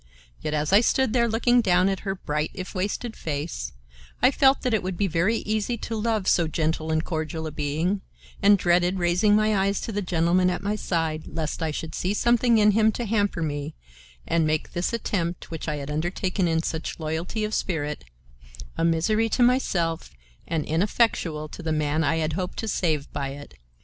Yet, as I stood there looking down at her bright if wasted face, I felt that it would be very easy to love so gentle and cordial a being, and dreaded raising my eyes to the gentleman at my side lest I should see something in him to hamper me, and make this attempt, which I had undertaken in such loyalty of spirit, a misery to myself and ineffectual to the man I had hoped to save by it.